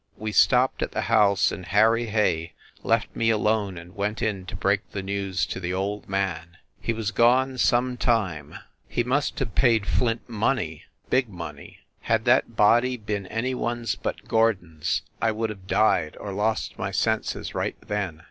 We stopped at the house, and Harry Hay left me alone and went in to break the news to the old man. ... He was gone some time. He 40 FIND THE WOMAN must have paid Flint money big money. Had that body been any one s but Gordon s, I would have died, or lost my senses right then.